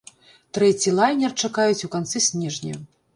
Трэці лайнер чакаюць у канцы снежня.